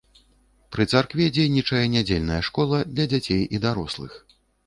Пры царкве дзейнічае нядзельная школа для дзяцей і дарослых.